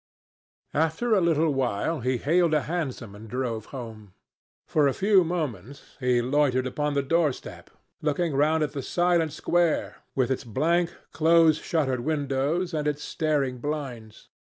After a little while, he hailed a hansom and drove home. For a few moments he loitered upon the doorstep, looking round at the silent square, with its blank, close shuttered windows and its staring blinds.